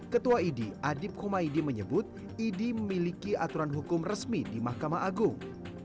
ketua idi adib kumaydi menyebut idi memiliki aturan hukum resmi di mahkamah agung